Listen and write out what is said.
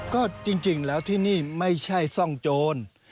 ก็จริงแล้วที่นี่ไม่ใช่ซ่องโจร